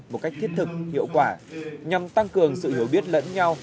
một cách thiết thực hiệu quả nhằm tăng cường sự hiểu biết lẫn nhau